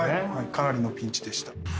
かなりのピンチでした。